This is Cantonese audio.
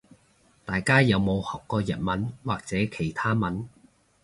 大家有冇學過日文或其他外文